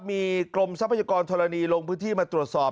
มีกรมทรัพยากรธรณีลงพื้นที่มาตรวจสอบ